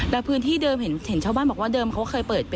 ตอนไปตรวจสอบแล้วนะครับ